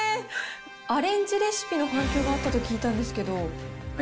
アレンジレシピの反響があったと聞いたんですけど。